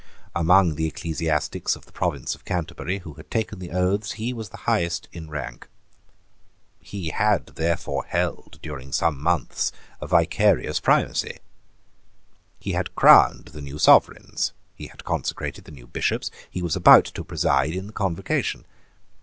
Among the ecclesiastics of the Province of Canterbury who had taken the oaths, he was highest in rank. He had therefore held, during some months, a vicarious primacy: he had crowned the new Sovereigns: he had consecrated the new Bishops: he was about to preside in the Convocation.